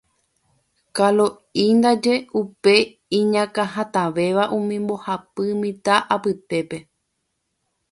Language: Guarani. Kalo'i ndaje upe iñakãhatãvéva umi mbohapy mitã'i apytépe.